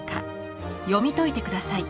読み解いて下さい。